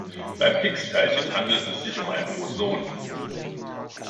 Beim Higgs-Teilchen handelt es sich um ein Boson.